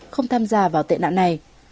không tham gia vào tệ nạn này